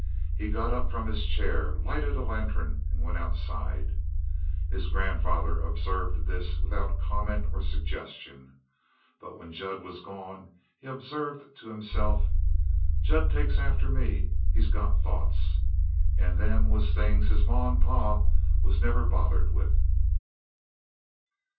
He got up from his chair, lighted a lantern, and went outside. His grandfather observed this without comment or suggestion, but, when Jud was gone, he observed to himself: "Jud takes after me. He's got thoughts. And them was things his ma and pa was never bothered with."